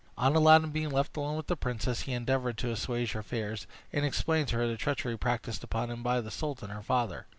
On Aladdin being left alone with the princess, he endeavored to assuage her fears, and explained to her the treachery practised upon him by the sultan her father.